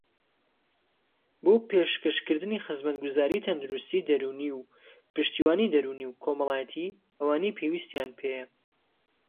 بۆ پێشكەشكردنی خزمەتگوزاری تەندروستی دەروونی و پشتیوانی دەروونی و كۆمەڵایەتی ئەوانەی پێویستیان پێیە